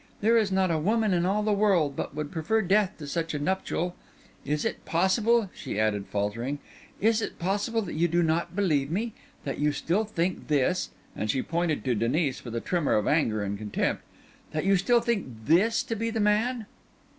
There is not a woman in all the world but would prefer death to such a nuptial. Is it possible," she added, faltering—"is it possible that you do not believe me—that you still think this"—and she pointed at Denis with a tremor of anger and contempt—"that you still think this to be the man?"